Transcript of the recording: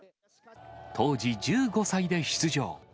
当時、１５歳で出場。